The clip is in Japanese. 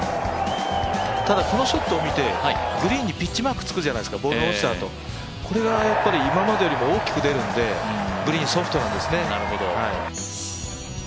このショットを見て、グリーンにピッチマークつくじゃないですかボールが落ちたあと、これが今までよりも大きく出るんでグリーン、ソフトなんですね。